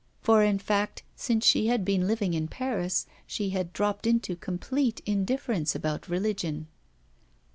For, in fact, since she had been living in Paris she had dropped into complete indifference about religion.